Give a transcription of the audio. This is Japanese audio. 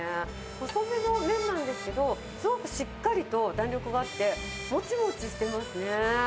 細めの麺なんですけど、すごくしっかりと弾力があって、もちもちしてますね。